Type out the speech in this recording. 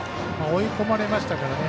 追い込まれましたからね。